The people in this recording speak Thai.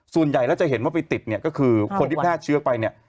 ส่วนใหญ่แล้วจะเห็นว่าไปติดเนี่ยก็คือคนที่แพร่เชื้อไปเนี่ย